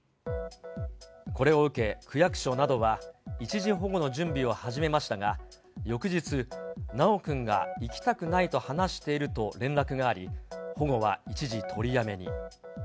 これを受け区役所などは一時保護の準備を始めましたが、翌日、修くんが行きたくないと話していると連絡があり、保護は一時取りやめに。